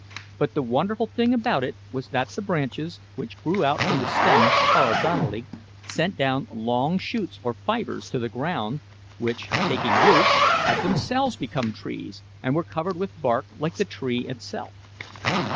But the wonderful thing about it was that the branches, which grew out from the stem horizontally, sent down long shoots or fibres to the ground, which, taking root, had themselves become trees, and were covered with bark like the tree itself.